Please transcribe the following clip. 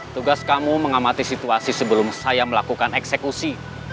tugas kamu mengamati situasi sebelum saya melakukan eksekusi